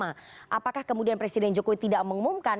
apakah kemudian presiden jokowi tidak mengumumkan